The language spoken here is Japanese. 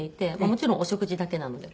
もちろんお食事だけなので。